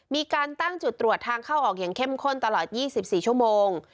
มีการตั้งจุดตรวจทางเข้าออกอย่างเข้มข้นตลอด๒๔ชั่วโมง